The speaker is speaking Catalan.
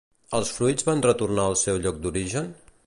Els fruits van retornar al seu lloc d'origen?